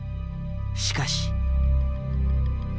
しかし。